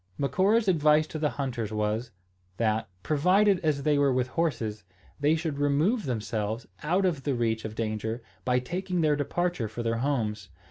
Macora's advice to the hunters was, that, provided as they were with horses, they should remove themselves out of the reach of danger, by taking their departure for their homes.